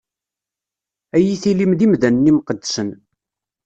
Ad yi-tilim d imdanen imqeddsen.